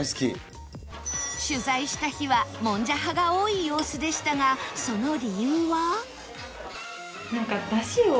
取材した日はもんじゃ派が多い様子でしたがその理由は？